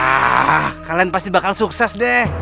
ah kalian pasti bakal sukses deh